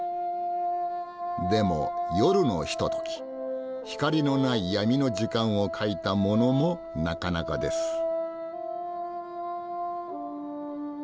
でも夜のひととき光のない闇の時間を描いたものもなかなかです。